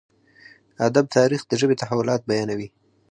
ادب تاريخ د ژبې تحولات بيانوي.